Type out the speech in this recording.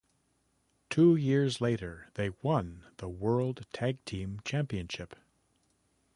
Two years later, they won the World Tag Team Championship.